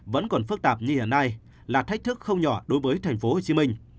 vẫn còn phức tạp như hiện nay là thách thức không nhỏ đối với thành phố hồ chí minh